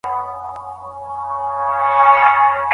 پښتو الفبا کمه نه ده.